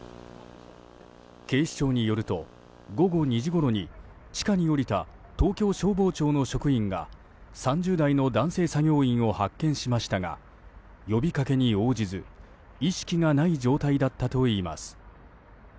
警視庁によると午後２時ごろに地下に下りた東京消防庁の職員が３０代の男性作業員を発見しましたが呼びかけに応じず、意識がない状態だったといいます。